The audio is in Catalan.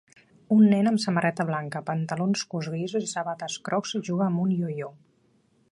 Un nen amb samarreta blanca, pantalons curts grisos i sabates crocs juga amb un io-io